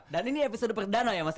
dan ini episode pertama ya mas ya